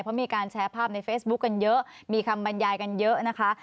เพราะมีการแชร์ภาพในเฟซบุ๊คกันเยอะมีคำบรรยายกันเยอะนะคะ